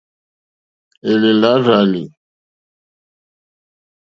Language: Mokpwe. Èlèlà rzàlì.